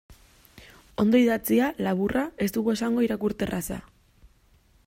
Ondo idatzia, laburra, ez dugu esango irakurterraza.